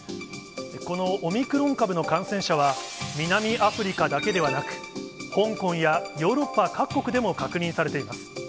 このオミクロン株の感染者は、南アフリカだけではなく、香港やヨーロッパ各国でも確認されています。